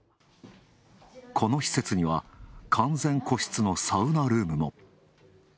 この施設には、完全個室のサウナルームも。